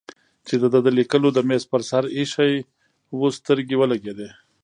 چې د ده د لیکلو د مېز پر سر ایښی و سترګې ولګېدې.